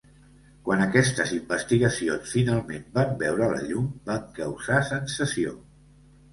Quan aquestes investigacions finalment van veure la llum, van causar sensació.